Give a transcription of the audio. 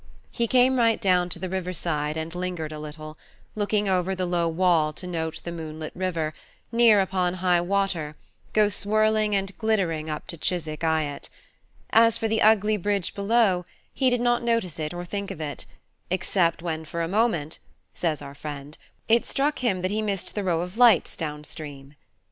He came right down to the river side, and lingered a little, looking over the low wall to note the moonlit river, near upon high water, go swirling and glittering up to Chiswick Eyot: as for the ugly bridge below, he did not notice it or think of it, except when for a moment (says our friend) it struck him that he missed the row of lights down stream.